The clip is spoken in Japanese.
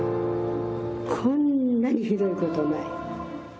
こんなにひどいことはない。